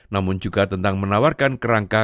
namun juga tentang menawarkan kerangka